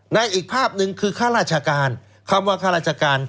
อีกภาพหนึ่งคือข้าราชการคำว่าข้าราชการ